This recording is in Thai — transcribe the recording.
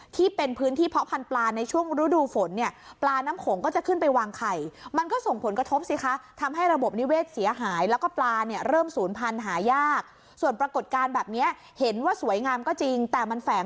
ที่เป็นพื้นที่เพาะพันธุ์ปลาในช่วงฤดูฝน